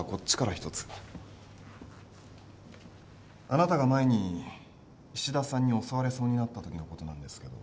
あなたが前に石田さんに襲われそうになったときのことなんですけど。